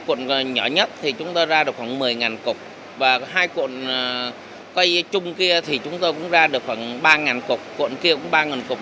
cuộn nhỏ nhất thì chúng tôi ra được khoảng một mươi cục và hai cuộn coi chung kia thì chúng tôi cũng ra được khoảng ba cục cuộn kia cũng ba cục